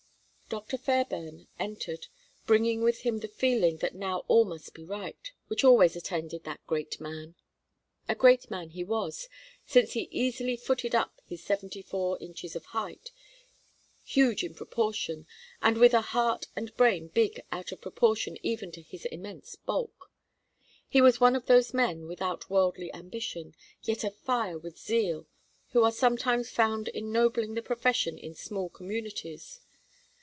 Dr. Fairbairn entered, bringing with him the feeling that now all must be right, which always attended that great man. A great man he was, since he easily footed up his seventy four inches of height, huge in proportion, and with a heart and brain big out of proportion even to his immense bulk. He was one of those men without worldly ambition, yet afire with zeal, who are sometimes found ennobling the profession in small communities.